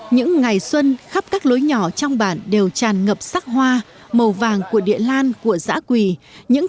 những ngày xuân khắp các lối nhỏ trong bản đều tràn ngập sắc hoa màu vàng của địa lan của giã quỳ những